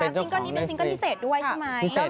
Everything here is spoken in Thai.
แล้วก็มีกันพิเศษด้วยใช่ไหม